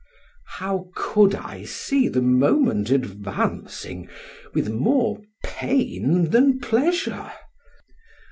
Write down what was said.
How could I see the moment advancing with more pain than pleasure?